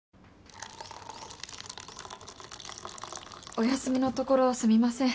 お休みのところすみません。